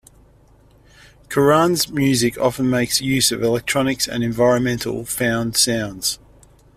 Curran's music often makes use of electronics and environmental found sounds.